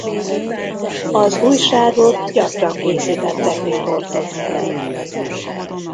Az újságok gyakran készítettek riportot vele.